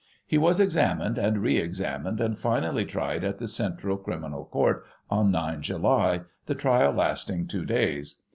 He was examined and re examined, and finally tried at the Central Criminal Court on 9 July, the trial last ing two days.